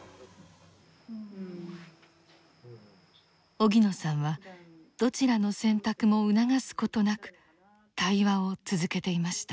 荻野さんはどちらの選択も促すことなく対話を続けていました。